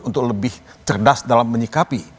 untuk lebih cerdas dalam menyikapi